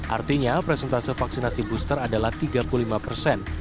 artinya presentase vaksinasi booster adalah tiga puluh lima persen